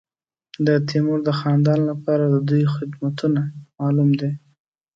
د تیمور د خاندان لپاره د دوی خدمتونه معلوم دي.